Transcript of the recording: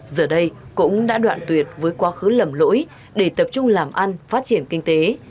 giờ đây cũng đã đoạn tuyệt với quá khứ lầm lỗi để tập trung làm ăn phát triển kinh tế